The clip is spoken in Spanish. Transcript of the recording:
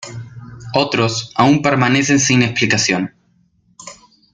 Otros aún permanecen sin explicación.